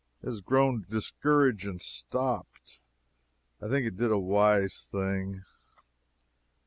It has grown discouraged, and stopped. I think it did a wise thing.